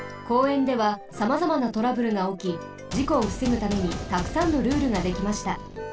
公園ではさまざまなトラブルがおきじこをふせぐためにたくさんのルールができました。